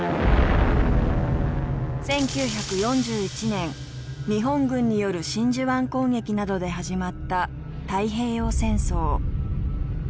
１９４１年日本軍による真珠湾攻撃などで始まった太平洋戦争。